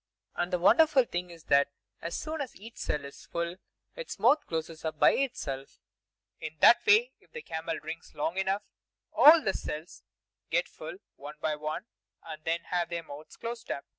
And the wonderful thing is that as soon as each cell is full, its mouth closes up by itself! In that way, if the camel drinks long enough, all the cells get full, one by one, and then have their mouths closed up.